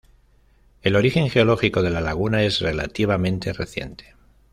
El origen geológico de la laguna es relativamente reciente.